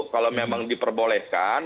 kalau memang diperbolehkan